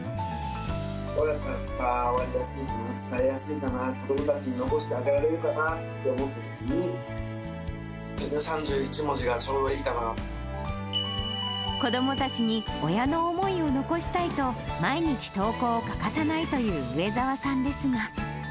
どうやったら伝わりやすいかな、子どもたちに残してあげられるかなって思ったときに、３１文子どもたちに親の思いを残したいと、毎日投稿を欠かさないという上沢さんですが。